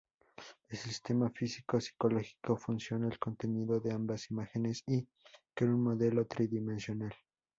El sistema físico-psicológico fusiona el contenido de ambas imágenes y crea un modelo tridimensional.